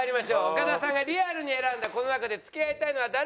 岡田さんがリアルに選んだこの中で付き合いたいのは誰？